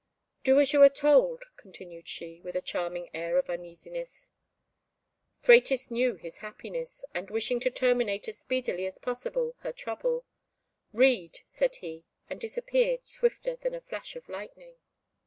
"Do as you are told," continued she, with a charming air of uneasiness. Phratis knew his happiness, and wishing to terminate as speedily as possible her trouble, "Read," said he, and disappeared swifter than a flash of lightning.